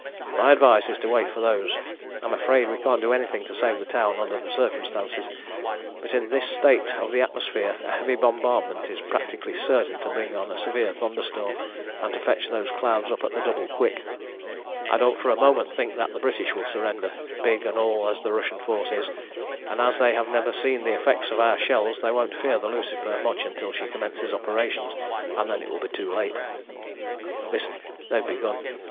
My advice is to wait for those. I'm afraid we can't do anything to save the town under the circumstances, but in this state of the atmosphere a heavy bombardment is practically certain to bring on a severe thunderstorm, and to fetch those clouds up at the double quick. "I don't for a moment think that the British will surrender, big and all as the Russian force is, and as they have never seen the effects of our shells they won't fear the Lucifer much until she commences operations, and then it will be too late. Listen! They've begun.